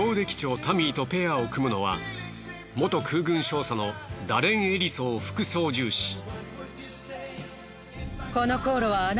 機長タミーとペアを組むのは元空軍少佐のダレン・エリソー副操縦士。